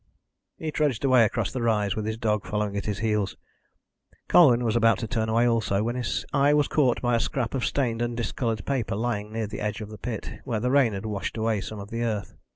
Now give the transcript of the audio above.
He trudged away across the rise, with his dog following at his heels. Colwyn was about to turn away also, when his eye was caught by a scrap of stained and discoloured paper lying near the edge of the pit, where the rain had washed away some of the earth.